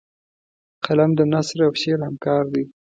قلم د نثر او شعر همکار دی